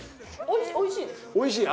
おいしい？